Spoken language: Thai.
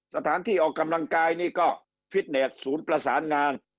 สถานที่ออกกำลังกายนี่ก็ฟิตเนสศูนย์ประสานงาน